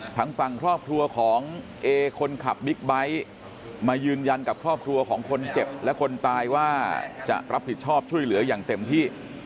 ทางฝั่งครอบครัวของเอคนขับบิ๊กไบท์มายืนยันกับครอบครัวของคนเจ็บและคนตายว่าจะรับผิดชอบช่วยเหลืออย่างเต็มที่